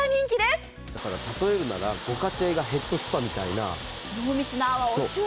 例えるならご家庭がヘッドスパみたいな。